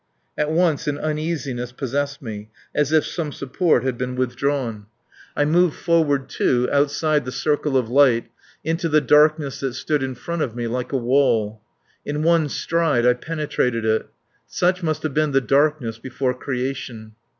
At once an uneasiness possessed me, as if some support had been withdrawn. I moved forward, too, outside the circle of light, into the darkness that stood in front of me like a wall. In one stride I penetrated it. Such must have been the darkness before creation.